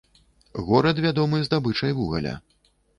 Горад вядомы здабычай вугаля.